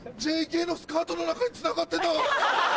ＪＫのスカートの中につながってた！